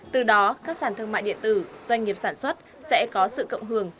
từ đó các sản thương mại điện tử doanh nghiệp sản xuất sẽ có sự cộng hưởng